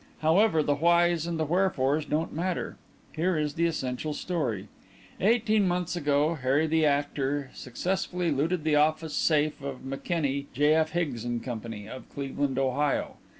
However, the whys and the wherefores don't matter. Here is the essential story. "Eighteen months ago 'Harry the Actor' successfully looted the office safe of M'Kenkie, J. F. Higgs & Co.; of Cleveland, Ohio.